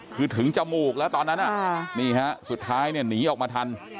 คือถึงจมูกแล้วตอนนั้นนี่ฮะสุดท้ายเนี่ยหนีออกมาทัน